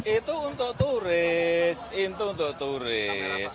itu untuk turis itu untuk turis